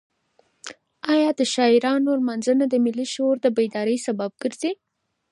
ایا د شاعرانو لمانځنه د ملي شعور د بیدارۍ سبب ګرځي؟